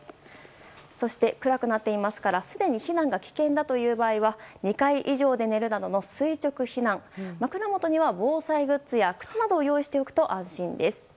そして、暗くなっていますからすでに避難が危険だという場合は２階以上で寝るなどの垂直避難枕元には防災グッズや靴などを用意しておくと安心です。